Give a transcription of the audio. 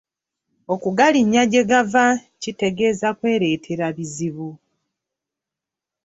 Okugalinnya gye gava kitegeeza kwereetera bizibu.